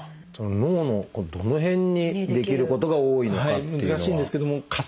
脳のどの辺に出来ることが多いのかっていうのは？